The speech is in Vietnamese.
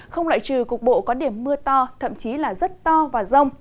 không loại trừ cục bộ có điểm mưa to thậm chí là rất to và rông